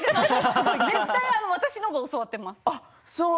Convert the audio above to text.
絶対、私の方が教わっています。